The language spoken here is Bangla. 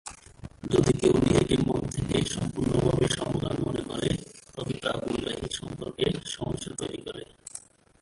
যদি কেও নিজেকে মন থেকে সম্পুর্ণভাবে সমকামী মনে করে, তবে তা বৈবাহিক সম্পর্কে সমস্যা তৈরী করে।